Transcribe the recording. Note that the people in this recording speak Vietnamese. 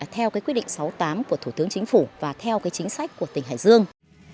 theo quyết định sáu mươi tám của thủ tướng chính phủ và theo chính sách của tỉnh hải dương